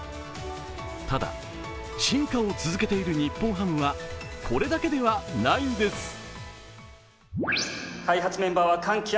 ただ、進化を続けている日本ハムはこれだけではないんです。